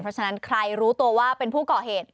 เพราะฉะนั้นใครรู้ตัวว่าเป็นผู้ก่อเหตุ